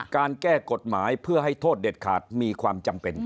การแก้กฎหมายเพื่อให้โทษเด็ดขาดมีความจำเป็น